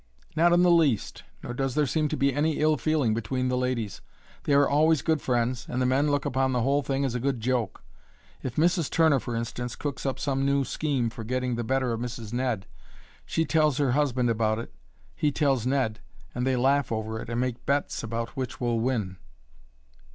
"Not in the least; nor does there seem to be any ill feeling between the ladies. They are always good friends, and the men look upon the whole thing as a good joke. If Mrs. Turner, for instance, cooks up some new scheme for getting the better of Mrs. Ned, she tells her husband about it, he tells Ned, and they laugh over it and make bets about which will win."